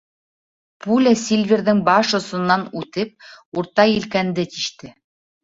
Пуля, Сильверҙың баш осонан үтеп, урта елкәнде тиште.